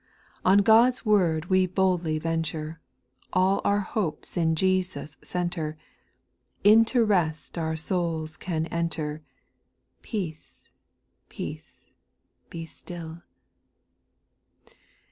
On God's word we boldly venture, All our hopes in Jesus centre ;— Into rest our souls can enter, — Peace, peace, be still.